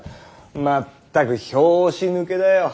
まったく拍子抜けだよ。